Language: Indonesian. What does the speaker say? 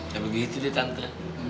ya begitu tante